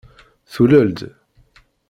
Tulel-d.